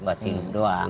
buat hidup doang